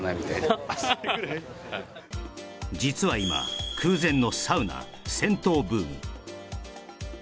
実は今空前のサウナ銭湯ブーム